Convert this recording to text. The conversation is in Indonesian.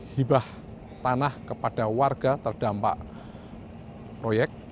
hibah tanah kepada warga terdampak proyek